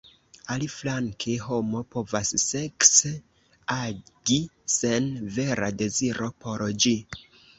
Aliflanke, homo povas sekse agi sen vera deziro por ĝi.